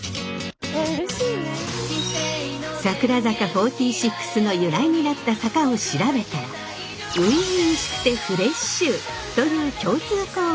櫻坂４６の由来になった坂を調べたら初々しくてフレッシュという共通項が見つかりました。